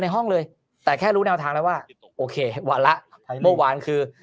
ห้องเลยแต่แค่รู้แนวทางแล้วว่าโอเควันละเมื่อวานคือ